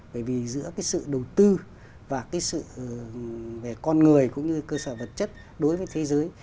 bởi vì giữa cái sự đầu tư và cái sự về con người cũng như cơ sở vật chất đối với thế giới